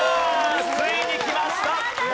ついにきました！